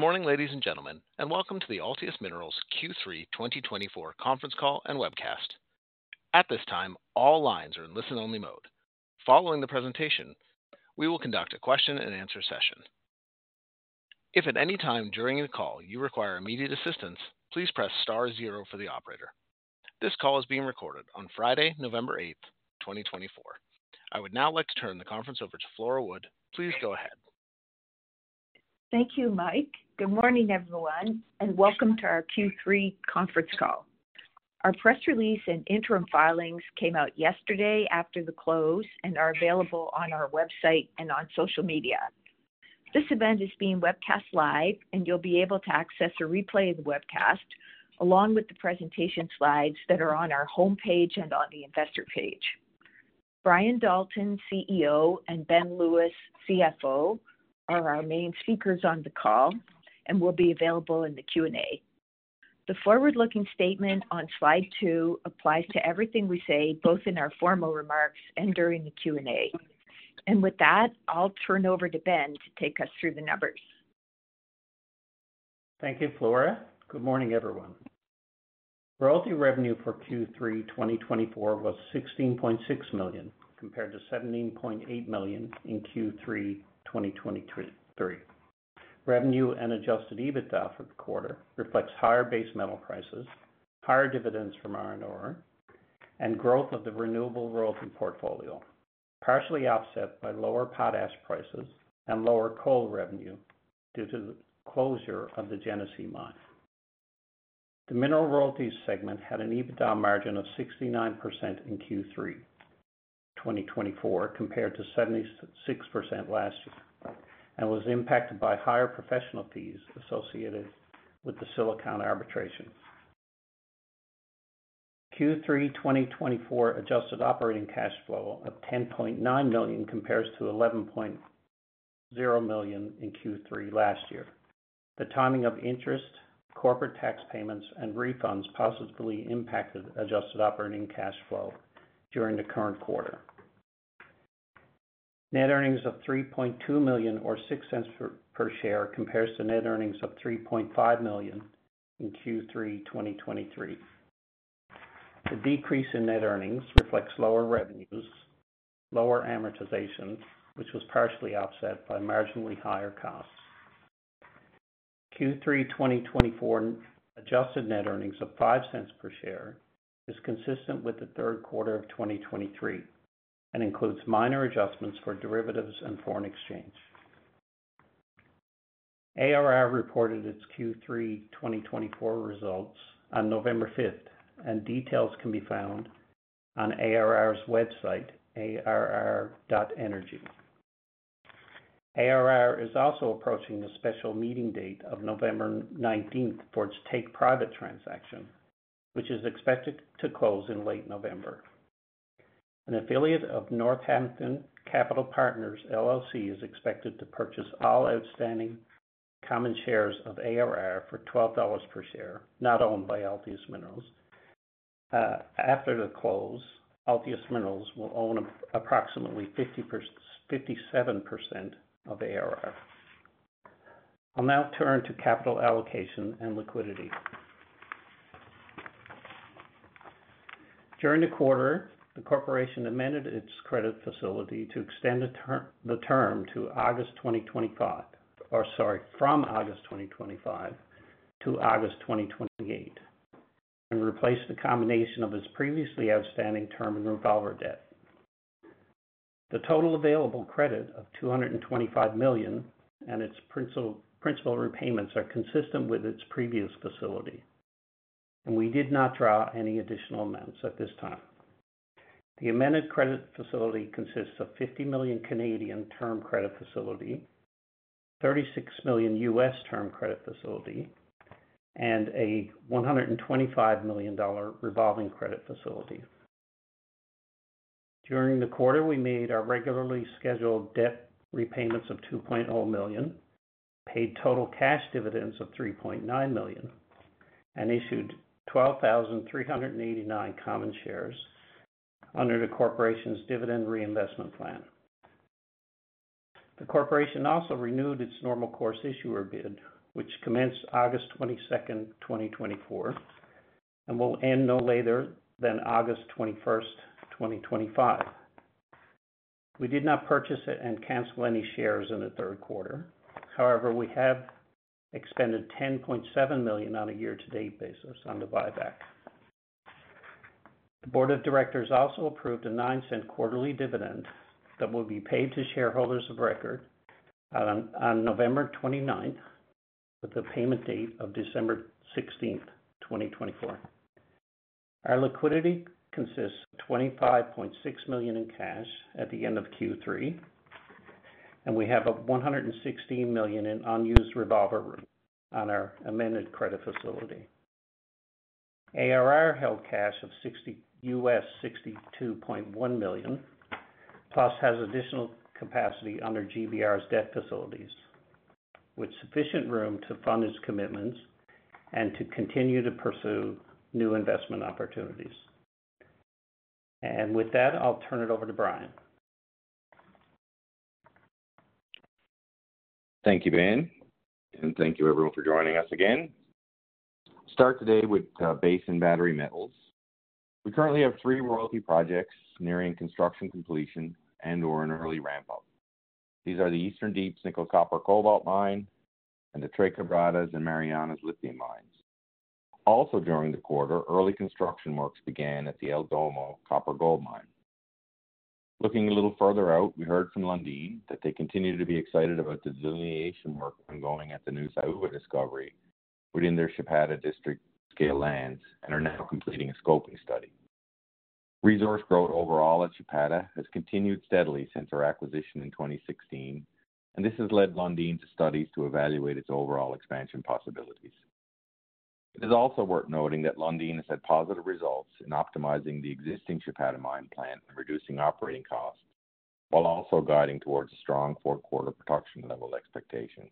Good morning, ladies and gentlemen, and welcome to the Altius Minerals Q3 2024 Conference Call and Webcast. At this time, all lines are in listen-only mode. Following the presentation, we will conduct a Q&A session. If at any time during the call you require immediate assistance, please press star zero for the operator. This call is being recorded on Friday, November 8th, 2024. I would now like to turn the conference over to Flora Wood. Please go ahead. Thank you, Mike. Good morning, everyone, and welcome to our Q3 Conference Call. Our press release and interim filings came out yesterday after the close and are available on our website and on social media. This event is being webcast live, and you'll be able to access a replay of the webcast along with the presentation slides that are on our home page and on the investor page. Brian Dalton, CEO, and Ben Lewis, CFO, are our main speakers on the call and will be available in the Q&A. The forward-looking statement on slide two applies to everything we say, both in our formal remarks and during the Q&A. And with that, I'll turn over to Ben to take us through the numbers. Thank you, Flora. Good morning, everyone. For Altius Minerals, revenue for Q3 2024 was $16.6 million compared to $17.8 million in Q3 2023. Revenue and adjusted EBITDA for the quarter reflects higher base metal prices, higher dividends from ARR, and growth of the renewable royalty portfolio, partially offset by lower potash prices and lower coal revenue due to the closure of the Genesee Mine. The mineral royalty segment had an EBITDA margin of 69% in Q3 2024 compared to 76% last year and was impacted by higher professional fees associated with the Silicon arbitration. Q3 2024 adjusted operating cash flow of $10.9 million compares to $11.0 million in Q3 last year. The timing of interest, corporate tax payments, and refunds positively impacted adjusted operating cash flow during the current quarter. Net earnings of $3.2 million, or $0.06 per share, compares to net earnings of $3.5 million in Q3 2023. The decrease in net earnings reflects lower revenues, lower amortization, which was partially offset by marginally higher costs. Q3 2024 adjusted net earnings of $0.05 per share is consistent with the Q3 of 2023 and includes minor adjustments for derivatives and foreign exchange. ARR reported its Q3 2024 results on November 5th, and details can be found on ARR's website, arr.energy. ARR is also approaching the special meeting date of November 19th for its take-private transaction, which is expected to close in late November. An affiliate of Northampton Capital Partners, LLC, is expected to purchase all outstanding common shares of ARR for $12 per share not owned by Altius Minerals. After the close, Altius Minerals will own approximately 57% of ARR. I'll now turn to capital allocation and liquidity. During the quarter, the corporation amended its credit facility to extend the term to August 2025, or sorry, from August 2025 to August 2028, and replaced the combination of its previously outstanding term and revolver debt. The total available credit of 225 million and its principal repayments are consistent with its previous facility, and we did not draw any additional amounts at this time. The amended credit facility consists of 50 million Canadian term credit facility, $36 million US term credit facility, and a 125 million dollar revolving credit facility. During the quarter, we made our regularly scheduled debt repayments of 2.0 million, paid total cash dividends of 3.9 million, and issued 12,389 common shares under the corporation's dividend reinvestment plan. The corporation also renewed its normal course issuer bid, which commenced August 22nd, 2024, and will end no later than August 21st, 2025. We did not purchase and cancel any shares in the Q3. However, we have expended 10.7 million on a year-to-date basis on the buyback. The board of directors also approved a 0.09 quarterly dividend that will be paid to shareholders of record on November 29th, with a payment date of December 16th, 2024. Our liquidity consists of 25.6 million in cash at the end of Q3, and we have 116 million in unused revolver room on our amended credit facility. ARR held cash of $62.1 million, plus has additional capacity under GBR's debt facilities, with sufficient room to fund its commitments and to continue to pursue new investment opportunities, and with that, I'll turn it over to Brian. Thank you, Ben, and thank you, everyone, for joining us again. Start today with Base and Battery Metals. We currently have three royalty projects nearing construction completion and/or an early ramp-up. These are the Eastern Deeps nickel-copper-cobalt mine and the Tres Quebradas and Mariana lithium mines. Also during the quarter, early construction works began at the El Domo copper-gold mine. Looking a little further out, we heard from Lundin that they continue to be excited about the delineation work ongoing at the Saúva discovery within their Chapada district-scale lands and are now completing a scoping study. Resource growth overall at Chapada has continued steadily since our acquisition in 2016, and this has led Lundin to studies to evaluate its overall expansion possibilities. It is also worth noting that Lundin has had positive results in optimizing the existing Chapada mine plant and reducing operating costs, while also guiding towards a strong fourth-quarter production level expectation.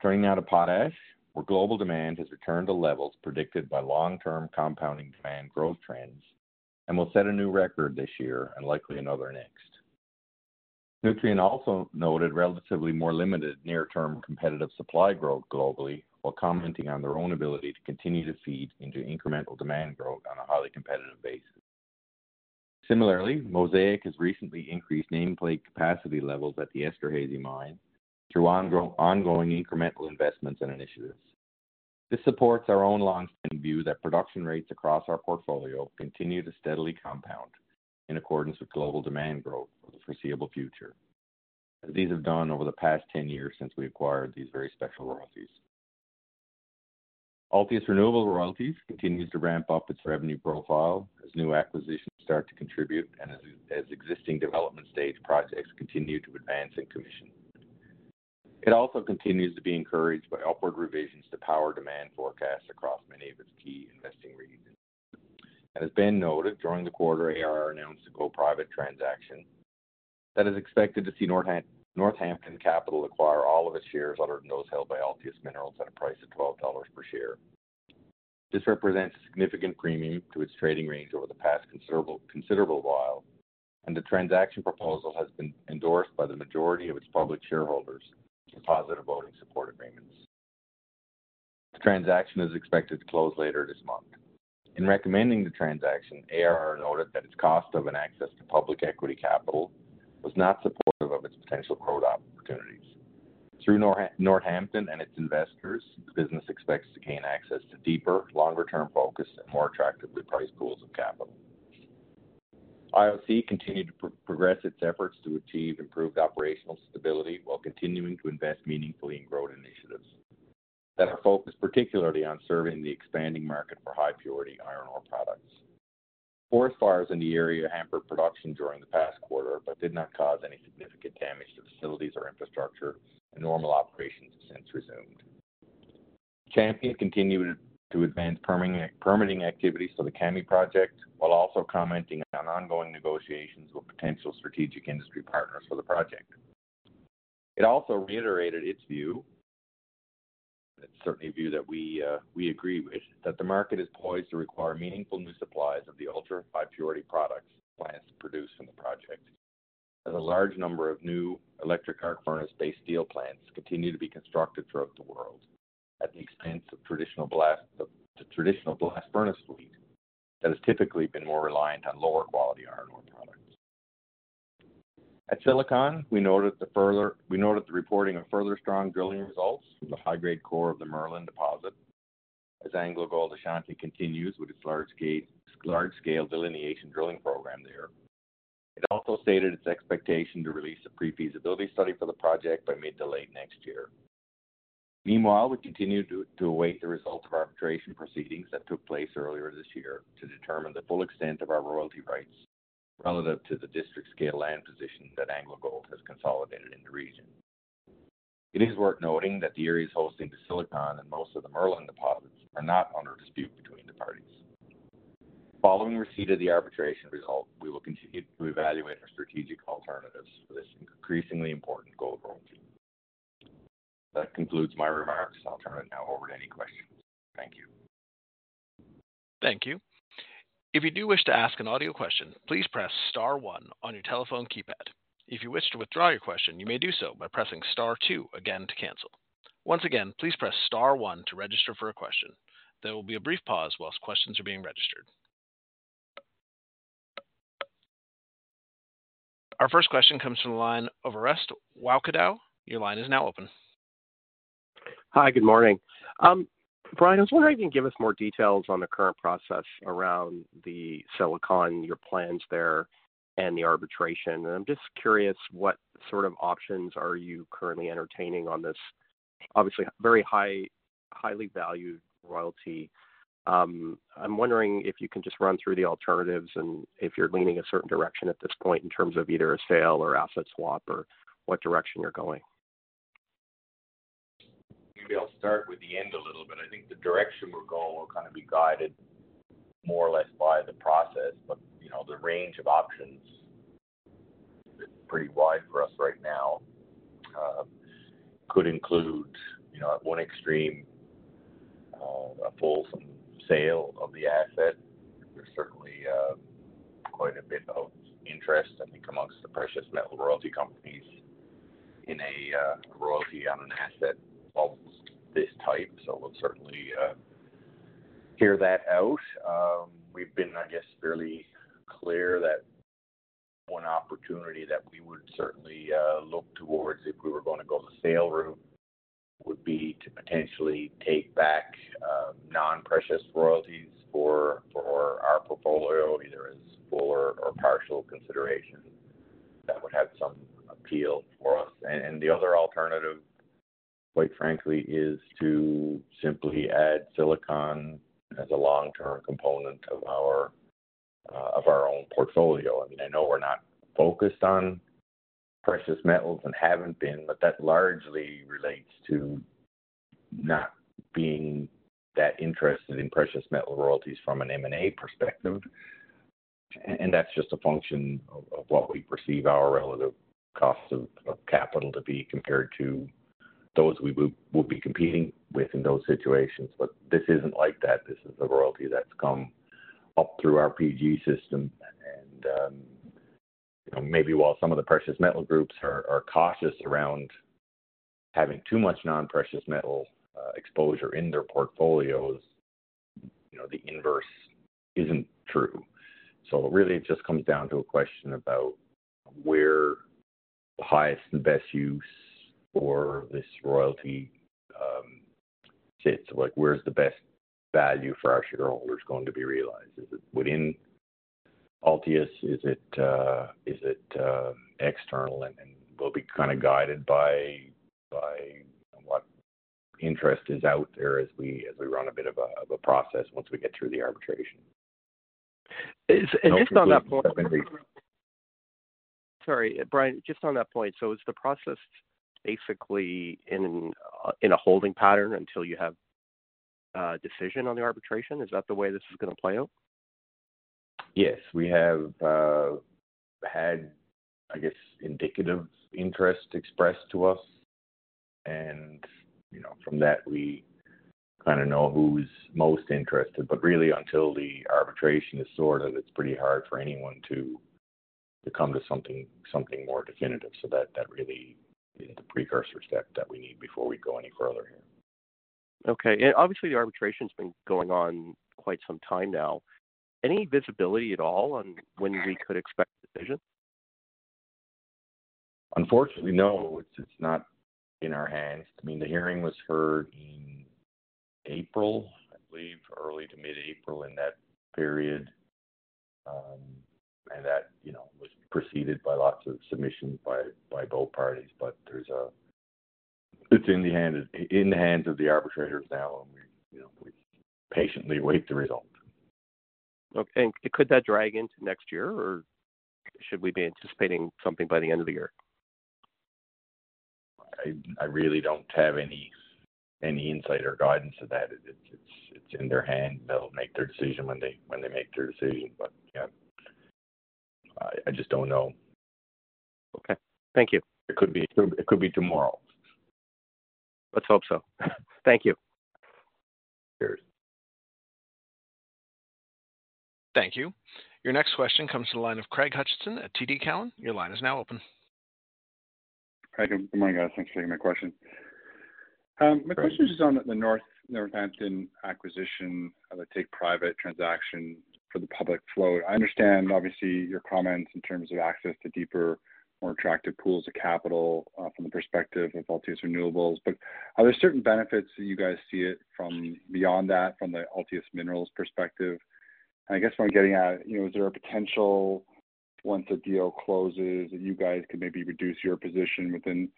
Turning now to potash, where global demand has returned to levels predicted by long-term compounding demand growth trends and will set a new record this year and likely another next. Nutrien also noted relatively more limited near-term competitive supply growth globally while commenting on their own ability to continue to feed into incremental demand growth on a highly competitive basis. Similarly, Mosaic has recently increased nameplate capacity levels at the Esterhazy Mine through ongoing incremental investments and initiatives. This supports our own long-standing view that production rates across our portfolio continue to steadily compound in accordance with global demand growth for the foreseeable future, as these have done over the past 10 years since we acquired these very special royalties. Altius Renewable Royalties continues to ramp up its revenue profile as new acquisitions start to contribute and as existing development-stage projects continue to advance into commission. It also continues to be encouraged by upward revisions to power demand forecasts across many of its key investing regions. As Ben noted, during the quarter, ARR announced a take-private transaction that is expected to see Northampton Capital acquire all of its shares not held by Altius Minerals at a price of $12 per share. This represents a significant premium to its trading range over the past considerable while, and the transaction proposal has been endorsed by the majority of its public shareholders with positive voting support agreements. The transaction is expected to close later this month. In recommending the transaction, ARR noted that its cost of access to public equity capital was not supportive of its potential growth opportunities. Through Northampton and its investors, the business expects to gain access to deeper, longer-term focused and more attractively priced pools of capital. IOC continues to progress its efforts to achieve improved operational stability while continuing to invest meaningfully in growth initiatives that are focused particularly on serving the expanding market for high-purity iron ore products. Forest fires in the area hampered production during the past quarter but did not cause any significant damage to facilities or infrastructure, and normal operations have since resumed. Champion continued to advance permitting activities for the Kami Project while also commenting on ongoing negotiations with potential strategic industry partners for the project. It also reiterated its view, and it's certainly a view that we agree with, that the market is poised to require meaningful new supplies of the ultra-high-purity products plants produce from the project, as a large number of new electric arc furnace-based steel plants continue to be constructed throughout the world at the expense of traditional blast furnace fleet that has typically been more reliant on lower-quality iron ore products. At Silicon, we noted the reporting of further strong drilling results from the high-grade core of the Merlin deposit, as AngloGold Ashanti continues with its large-scale delineation drilling program there. It also stated its expectation to release a pre-feasibility study for the project by mid to late next year. Meanwhile, we continue to await the result of arbitration proceedings that took place earlier this year to determine the full extent of our royalty rights relative to the district-scale land position that AngloGold Ashanti has consolidated in the region. It is worth noting that the areas hosting the Silicon and most of the Merlin deposits are not under dispute between the parties. Following receipt of the arbitration result, we will continue to evaluate our strategic alternatives for this increasingly important gold royalty. That concludes my remarks. I'll turn it now over to any questions. Thank you. Thank you. If you do wish to ask an audio question, please press Star 1 on your telephone keypad. If you wish to withdraw your question, you may do so by pressing Star 2 again to cancel. Once again, please press Star 1 to register for a question. There will be a brief pause while questions are being registered. Our first question comes from the line of Orest Wowkodaw. Your line is now open. Hi, good morning. Brian, I was wondering if you can give us more details on the current process around the Silicon, your plans there, and the arbitration. And I'm just curious what sort of options are you currently entertaining on this, obviously, very highly valued royalty? I'm wondering if you can just run through the alternatives and if you're leaning a certain direction at this point in terms of either a sale or asset swap or what direction you're going. Maybe I'll start with the end a little bit. I think the direction we're going will kind of be guided more or less by the process, but the range of options is pretty wide for us right now. It could include, at one extreme, a full sale of the asset. There's certainly quite a bit of interest, I think, amongst the precious metal royalty companies in a royalty on an asset of this type, so we'll certainly hear that out. We've been, I guess, fairly clear that one opportunity that we would certainly look towards if we were going to go the sale route would be to potentially take back non-precious royalties for our portfolio, either as full or partial consideration. That would have some appeal for us, and the other alternative, quite frankly, is to simply add Silicon as a long-term component of our own portfolio. I mean, I know we're not focused on precious metals and haven't been, but that largely relates to not being that interested in precious metal royalties from an M&A perspective. And that's just a function of what we perceive our relative cost of capital to be compared to those we would be competing with in those situations. But this isn't like that. This is a royalty that's come up through our PG system. And maybe while some of the precious metal groups are cautious around having too much non-precious metal exposure in their portfolios, the inverse isn't true. So really, it just comes down to a question about where the highest and best use for this royalty sits. Where's the best value for our shareholders going to be realized? Is it within Altius? Is it external? We'll be kind of guided by what interest is out there as we run a bit of a process once we get through the arbitration. And just on that point. Sorry, Brian, just on that point, so is the process basically in a holding pattern until you have a decision on the arbitration? Is that the way this is going to play out? Yes. We have had, I guess, indicative interest expressed to us, and from that, we kind of know who's most interested. But really, until the arbitration is sorted, it's pretty hard for anyone to come to something more definitive. So that really is the precursor step that we need before we go any further here. Okay. And obviously, the arbitration has been going on quite some time now. Any visibility at all on when we could expect a decision? Unfortunately, no. It's not in our hands. I mean, the hearing was heard in April, I believe, early to mid-April in that period, and that was preceded by lots of submissions by both parties. But it's in the hands of the arbitrators now, and we patiently await the result. Okay, and could that drag into next year, or should we be anticipating something by the end of the year? I really don't have any insight or guidance to that. It's in their hands. They'll make their decision when they make their decision, but I just don't know. Okay. Thank you. It could be tomorrow. Let's hope so. Thank you. Cheers. Thank you. Your next question comes from the line of Craig Hutchison at TD Cowen. Your line is now open. Hi, everyone. Thanks for taking my question. My question is just on the Northampton acquisition of a take-private transaction for the public float. I understand, obviously, your comments in terms of access to deeper, more attractive pools of capital from the perspective of Altius Renewables, but are there certain benefits that you guys see from beyond that from the Altius Minerals perspective? And I guess what I'm getting at is, is there a potential, once the deal closes, that you guys could maybe reduce your position within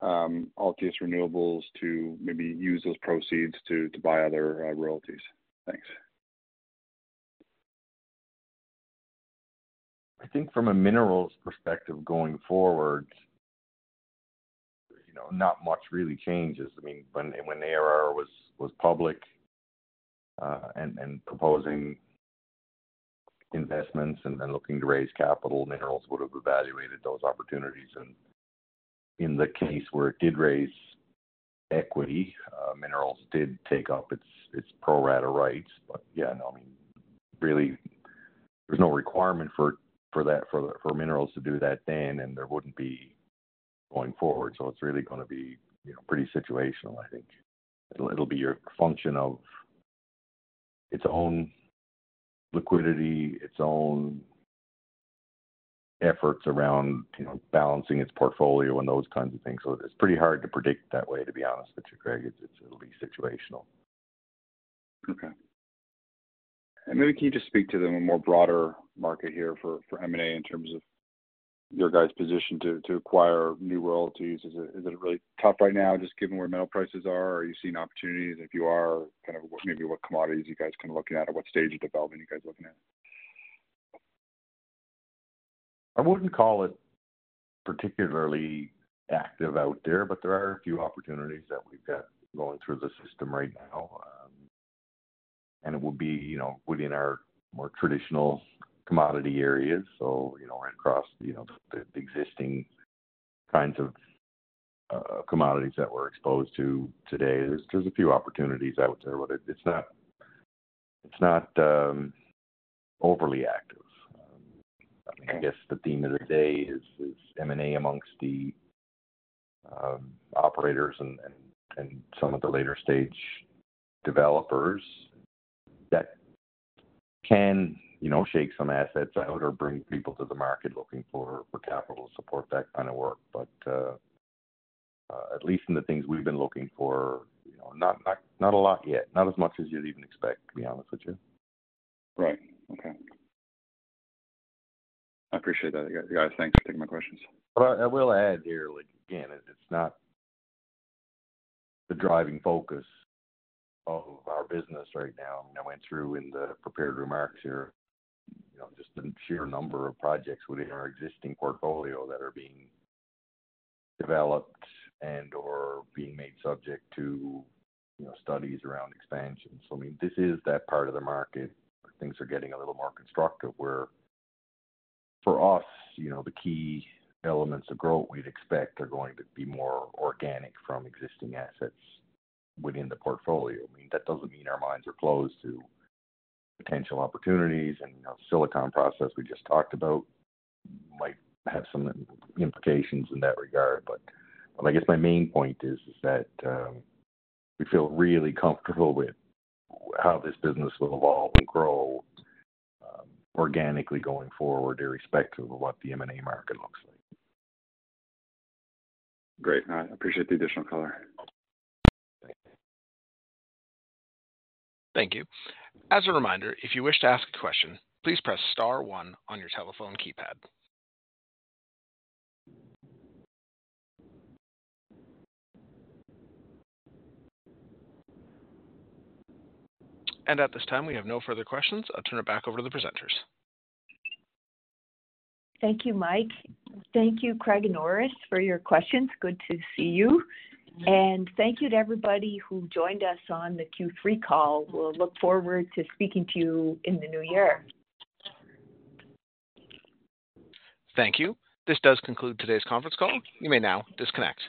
Altius Renewables to maybe use those proceeds to buy other royalties? Thanks. I think from a minerals perspective going forward, not much really changes. I mean, when ARR was public and proposing investments and then looking to raise capital, minerals would have evaluated those opportunities. And in the case where it did raise equity, minerals did take up its pro-rata rights. But yeah, no, I mean, really, there's no requirement for minerals to do that then, and there wouldn't be going forward. So it's really going to be pretty situational, I think. It'll be a function of its own liquidity, its own efforts around balancing its portfolio, and those kinds of things. So it's pretty hard to predict that way, to be honest with you, Craig. It's going to be situational. Okay. And maybe can you just speak to the more broader market here for M&A in terms of your guys' position to acquire new royalties? Is it really tough right now, just given where metal prices are? Are you seeing opportunities? And if you are, kind of maybe what commodities are you guys kind of looking at? Or what stage of development are you guys looking at? I wouldn't call it particularly active out there, but there are a few opportunities that we've got going through the system right now, and it would be within our more traditional commodity areas, so right across the existing kinds of commodities that we're exposed to today, there's a few opportunities out there, but it's not overly active. I mean, I guess the theme of the day is M&A amongst the operators and some of the later-stage developers that can shake some assets out or bring people to the market looking for capital to support that kind of work, but at least in the things we've been looking for, not a lot yet. Not as much as you'd even expect, to be honest with you. Right. Okay. I appreciate that. Thanks for taking my questions. But I will add here, again, it's not the driving focus of our business right now. I went through in the prepared remarks here, just the sheer number of projects within our existing portfolio that are being developed and/or being made subject to studies around expansion. So I mean, this is that part of the market where things are getting a little more constructive, where for us, the key elements of growth we'd expect are going to be more organic from existing assets within the portfolio. I mean, that doesn't mean our minds are closed to potential opportunities. And the Silicon project we just talked about might have some implications in that regard. But I guess my main point is that we feel really comfortable with how this business will evolve and grow organically going forward irrespective of what the M&A market looks like. Great. I appreciate the additional color. Thanks. Thank you. As a reminder, if you wish to ask a question, please press Star 1 on your telephone keypad. And at this time, we have no further questions. I'll turn it back over to the presenters. Thank you, Mike. Thank you, Craig and Orest, for your questions. Good to see you, and thank you to everybody who joined us on the Q3 call. We'll look forward to speaking to you in the new year. Thank you. This does conclude today's conference call. You may now disconnect.